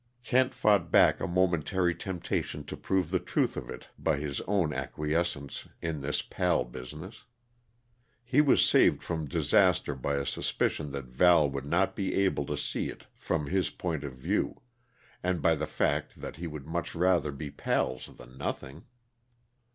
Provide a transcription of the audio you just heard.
Kent fought back a momentary temptation to prove the truth of it by his own acquiescence in this pal business. He was saved from disaster by a suspicion that Val would not be able to see it from his point of view, and by the fact that he would much rather be pals than nothing.